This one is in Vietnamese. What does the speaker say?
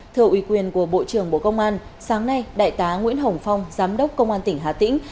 thưa ủy quyền của bộ trưởng bộ công an sáng nay đại tá nguyễn hồng phong giám đốc công an tỉnh hà tĩnh